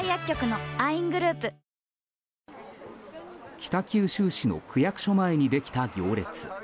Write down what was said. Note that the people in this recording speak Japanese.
北九州市の区役所前にできた行列。